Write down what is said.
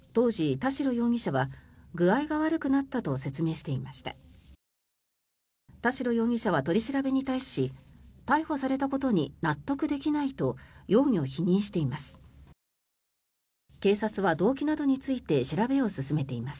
田代容疑者は取り調べに対し逮捕されたことに納得できないと容疑を否認しています。